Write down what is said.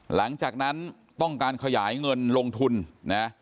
หลังจากนั้นต้องการขยายเงินลงทุนนะ